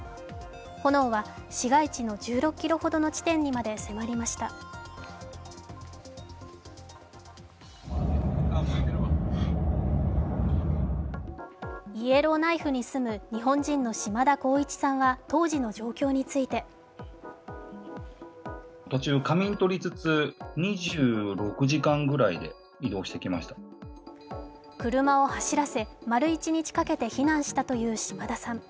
炎は市街地の１６ｋｍほどの地点にまで迫りましたイエローナイフに住む日本人の嶋田幸一さんは当時の状況について車を走らせ、丸一日かけて避難したという嶋田さん。